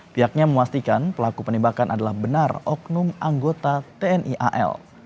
pihaknya memastikan pelaku penembakan adalah benar oknum anggota tni al